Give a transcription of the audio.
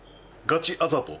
ガチあざと？